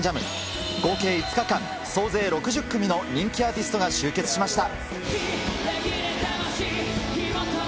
合計５日間、総勢６０組の人気アーティストが集結しました。